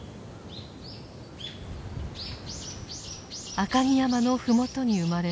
赤城山の麓に生まれ